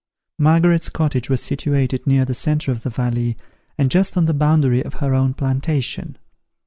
Margaret's cottage was situated near the centre of the valley, and just on the boundary of her own plantation.